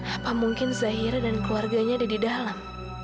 apa mungkin zahira dan keluarganya ada di dalam